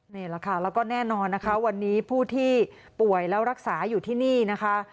นี่แหละค่ะแล้วก็แน่นอนนะคะวันนี้ผู้ที่ป่วยแล้วรักษาอยู่ที่นี่นะคะ